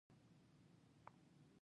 نیلي نهنګ څومره لوی دی؟